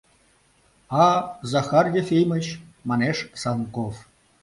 — А, Захар Ефимыч! — манеш Санков.